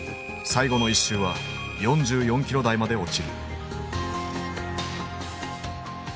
最後の１周は４４キロ台まで落ちる。